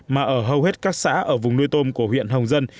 mà ở hầu hết các xã ở vùng nuôi tôm của huyện hồng dân